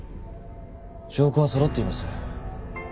証拠は揃っています。